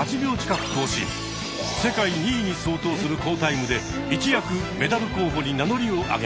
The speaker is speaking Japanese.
世界２位に相当する好タイムで一躍メダル候補に名乗りを上げました。